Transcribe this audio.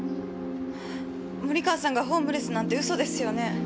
森川さんがホームレスなんて嘘ですよね？